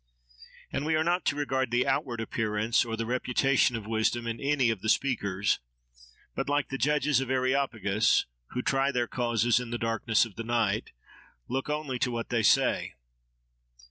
And we are not to regard the outward appearance, or the reputation of wisdom, in any of the speakers; but like the judges of Areopagus, who try their causes in the darkness of the night, look only to what they say.